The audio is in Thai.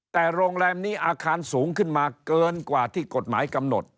แต่โรงแรมนี้อาคารสูงขึ้นมาเกินกว่าที่กฎหมายกำหนด